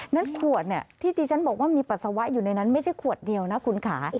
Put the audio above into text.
ฉวดที่ที่ฉันบอกว่ามีปัสสาวะอยู่ในนั้นไม่ใช่ขวดเดียวนะคุณค่ะ